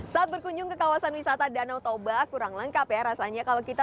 saat berkunjung ke kawasan wisata danau toba kurang lengkap ya rasanya kalau kita